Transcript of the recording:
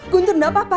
guntur enggak apa apa